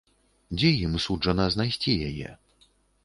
Дзе ім суджана знайсці яе?